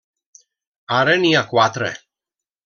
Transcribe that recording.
Ara n'hi ha quatre.